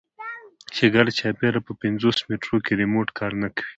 چې ګردچاپېره په پينځوس مټرو کښې ريموټ کار نه کوي.